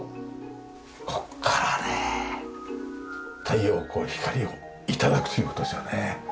ここからね太陽光光を頂くという事ですよね。